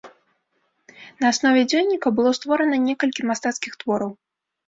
На аснове дзённіка было створана некалькі мастацкіх твораў.